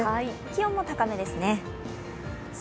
気温も高めですね。